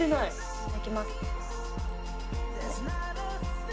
いただきます。